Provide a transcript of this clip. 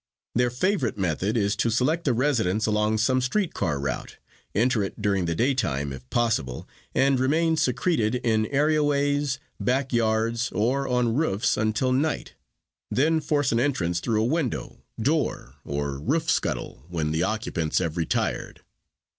Their favorite method is to select a residence along some street car route, enter it during the daytime, if possible, and remain secreted in areaways, back yards or on roofs until night, then force an entrance through a window, door or roof scuttle when the occupants have retired.